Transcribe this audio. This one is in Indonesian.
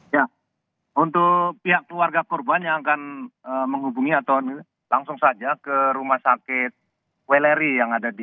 ya untuk pihak keluarga korban yang akan menghubungi atau langsung saja ke rumah sakit weleri yang ada di